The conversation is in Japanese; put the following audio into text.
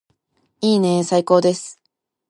いいねーー最高です